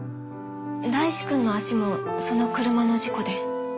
大志くんの足もその車の事故で？